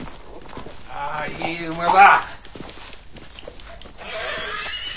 ああいい馬だ。